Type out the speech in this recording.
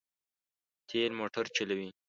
تېل موټر چلوي.